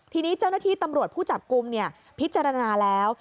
ทีนี้เจ้าหน้าที่ตำรวจผู้จับกลุ่มพิจารณาแล้ว